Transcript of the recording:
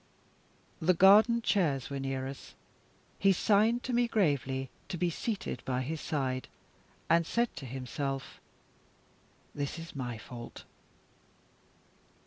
The garden chairs were near us. He signed to me gravely to be seated by his side, and said to himself: "This is my fault."